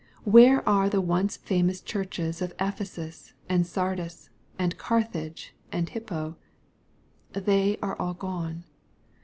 Where are the once famous churches of Ephesus, and Sardis, and Carthage, and Hippo ? They are all gone.